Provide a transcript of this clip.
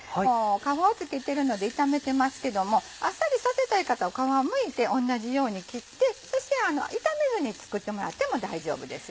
皮を付けてるので炒めてますけどもあっさりさせたい方は皮をむいて同じように切ってそして炒めずに作ってもらっても大丈夫です。